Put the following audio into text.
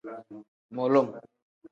Mulum.